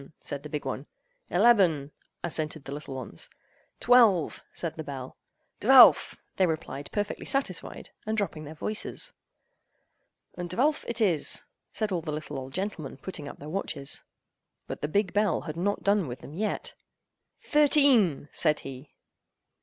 said the big one. "Eleben!" assented the little ones. "Twelve!" said the bell. "Dvelf!" they replied perfectly satisfied, and dropping their voices. "Und dvelf it is!" said all the little old gentlemen, putting up their watches. But the big bell had not done with them yet. "Thirteen!" said he.